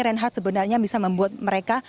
reinhardt sebenarnya bisa membuat mereka